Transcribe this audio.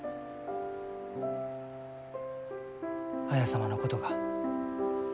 綾様のことが。